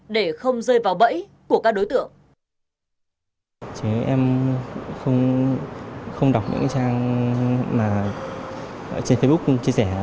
để không rơi vào bẫy của các đối tượng